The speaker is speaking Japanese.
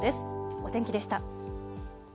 お天気でした。